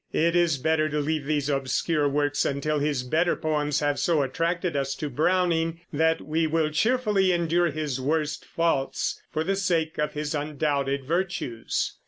It is better to leave these obscure works until his better poems have so attracted us to Browning that we will cheerfully endure his worst faults for the sake of his undoubted virtues.